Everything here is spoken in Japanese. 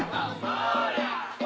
そりゃ！